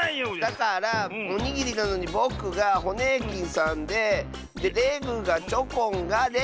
だからおにぎりなのにぼくがホネーキンさんででレグがチョコンがで。